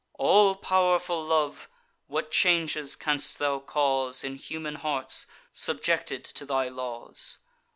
All pow'rful Love! what changes canst thou cause In human hearts, subjected to thy laws!